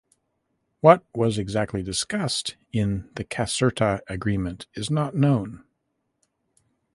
What was exactly discussed in the Caserta Agreement is not known.